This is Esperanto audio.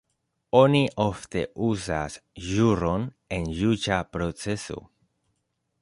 Oni ofte uzas ĵuron en juĝa proceso.